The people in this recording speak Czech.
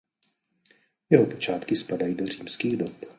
Jeho počátky spadají do římských dob.